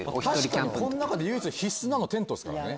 確かにこの中で唯一必須なのテントですからね。